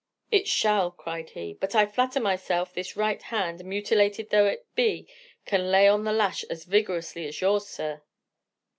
"It shall!" cried he, "but I flatter myself this right hand, mutilated though it be, can lay on the lash as vigorously as yours, sir."